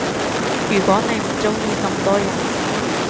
如果你唔鐘意咁多人